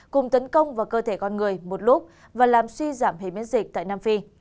cùng tấn công vào cơ thể con người một lúc và làm suy giảm hệ miễn dịch tại nam phi